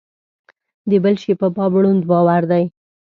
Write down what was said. د بل شي په باب ړوند باور دی.